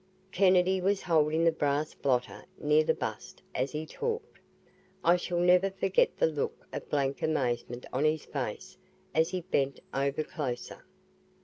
Kennedy was holding the brass blotter near the bust as he talked. I shall never forget the look of blank amazement on his face as he bent over closer.